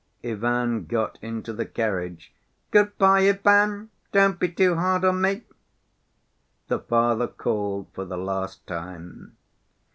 Ivan got into the carriage. "Good‐by, Ivan! Don't be too hard on me!" the father called for the last time.